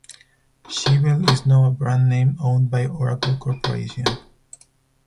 Siebel is now a brand name owned by Oracle Corporation.